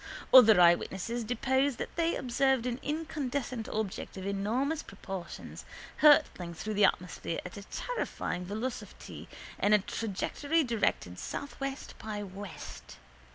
Other eyewitnesses depose that they observed an incandescent object of enormous proportions hurtling through the atmosphere at a terrifying velocity in a trajectory directed southwest by west.